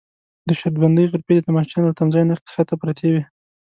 د شرط بندۍ غرفې د تماشچیانو له تمځای نه کښته پرتې وې.